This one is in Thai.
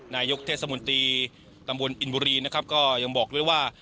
นายกเทศมนตรีตำบลอินบุรีนะครับก็ยังบอกด้วยว่า